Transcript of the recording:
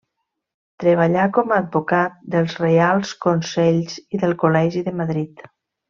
Treballà com a advocat dels Reials Consells i del Col·legi de Madrid.